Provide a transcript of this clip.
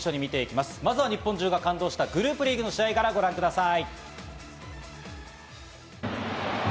まずは日本中が感動したグループリーグの試合からご覧ください。